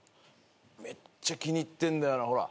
めっちゃ気に入ってんだよなほら。